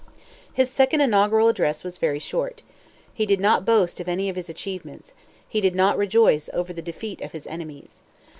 His second inaugural address was very short. He did not boast of any of his achievements; he did not rejoice over the defeat of his enemies.